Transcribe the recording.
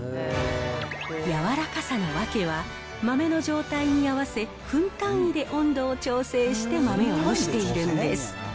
柔らかさの訳は、豆の状態に合わせ、分単位で温度を調整して豆を蒸しているんです。